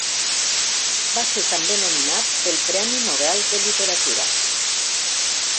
Va ser també nominat pel Premi Nobel de Literatura.